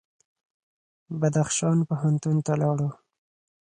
بدخشان پوهنتون ته لاړو.